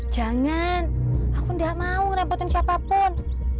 jangan aku tidak mau repotin siapapun